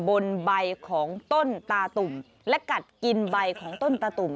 บนใบของต้นตาตุ่มและกัดกินใบของต้นตาตุ่ม